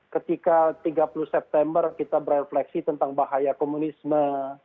ketika tiga puluh september kita berefleksi tentang bahaya komunisme